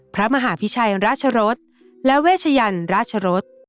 พระมหาพิชัยราชรสและเวชยันราชรส